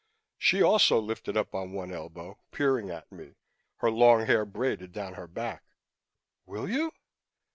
She also lifted up on one elbow, peering at me, her long hair braided down her back. "Will you?"